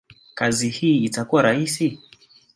kazi hii itakuwa rahisi?